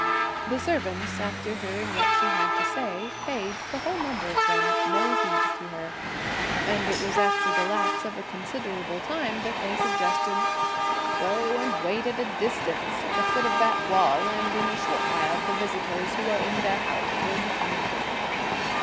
The servants, after hearing what she had to say, paid, the whole number of them, no heed to her; and it was after the lapse of a considerable time that they suggested: "Go and wait at a distance, at the foot of that wall; and in a short while, the visitors, who are in their house, will be coming out."